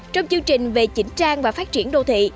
trong chương trình về chỉnh trang và phát triển đô thị